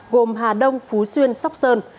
gồm hà đông phú xuyên sóc sơn